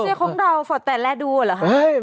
พี่เจ๊คงเดาฝอดแต่แลดูหรือครับ